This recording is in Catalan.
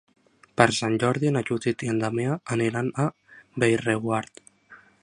Per Sant Jordi na Judit i en Damià aniran a Bellreguard.